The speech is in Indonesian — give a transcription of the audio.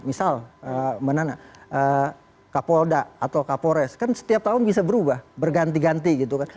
misal mbak nana kapolda atau kapolres kan setiap tahun bisa berubah berganti ganti gitu kan